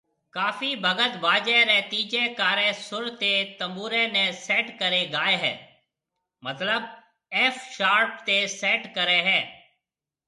ڪافي ڀگت باجي ري تيجي ڪاري سُر تي تنبوري ني سيٽ ڪري گائي ھيَََ مطلب ايف شارپ تي سيٽ ڪري ھيَََ